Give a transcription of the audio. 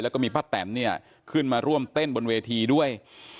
แล้วก็มีป้าแตนเนี่ยขึ้นมาร่วมเต้นบนเวทีด้วย